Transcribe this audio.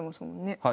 はい。